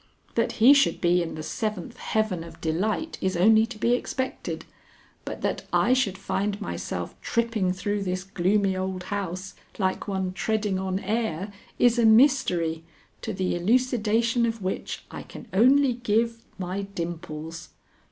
That he should be in the seventh heaven of delight is only to be expected, but that I should find myself tripping through this gloomy old house like one treading on air is a mystery, to the elucidation of which I can only give my dimples.